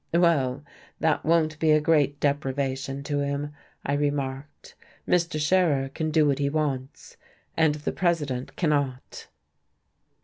"Well, that won't be a great deprivation to him," I remarked. "Mr. Scherer can do what he wants, and the President cannot."